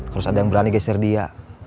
terus ada yang berani geser dia